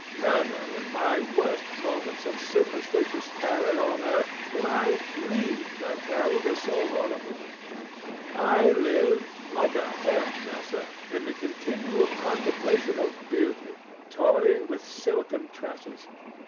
Never in my worst moments of superstitious terror on earth did I dream that Hell was so horrible. I live, like a hairdresser, in the continual contemplation of beauty, toying with silken tresses.